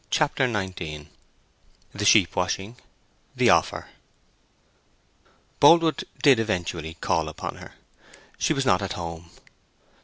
CHAPTER XIX THE SHEEP WASHING—THE OFFER Boldwood did eventually call upon her. She was not at home.